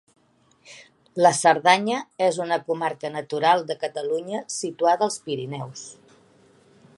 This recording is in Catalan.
La Cerdanya és una comarca natural de Catalunya situada als Pirineus.